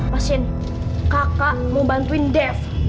pasien kakak mau bantuin dev